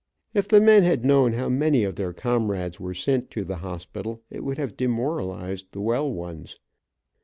If the men had known how many of their comrades were sent to the hospital, it would have demoralized the well ones.